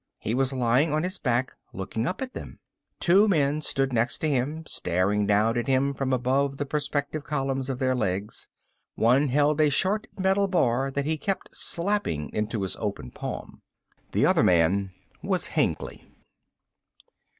He was lying on his back, looking up at them. Two men stood next to him, staring down at him from above the perspective columns of their legs. One held a short metal bar that he kept slapping into his open palm. The other man was Hengly.